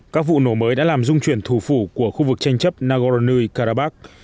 các vụ nổ mới đã làm dung chuyển thủ phủ của khu vực tranh chấp nagorno karabakh